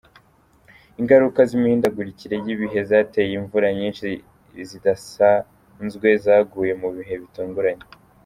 Ingaruka z’imihindagurikire y’ibihe zateye imvura nyinshi zidasanzwe zaguye mu bihe bitunguranye.